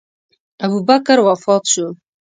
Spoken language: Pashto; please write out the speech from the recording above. ابوبکر وفات شو.